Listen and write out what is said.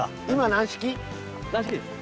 軟式です。